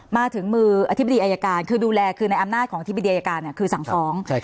มาถึงมืออธิบดีอายการคือดูแลคือในอำนาจของอธิบดีอายการคือสั่งฟ้อง